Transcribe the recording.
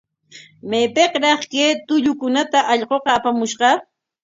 ¿Maypikraq kay tullukunata allquqa apamushqa?